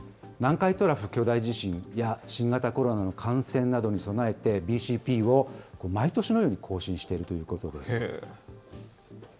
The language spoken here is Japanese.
南海トラフ巨大地震や新型コロナの感染などに備えて、ＢＣＰを毎年のように更新しているということです。